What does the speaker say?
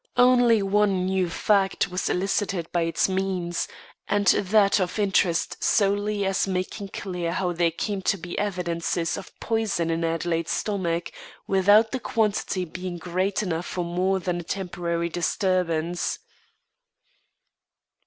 Only one new fact was elicited by its means, and that of interest solely as making clear how there came to be evidences of poison in Adelaide's stomach, without the quantity being great enough for more than a temporary disturbance.